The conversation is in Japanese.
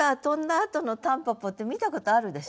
あとの蒲公英って見たことあるでしょ？